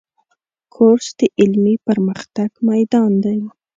کورس د علمي پرمختګ میدان دی.